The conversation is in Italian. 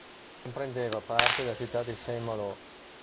Comprendeva parte della città di Saint-Malo.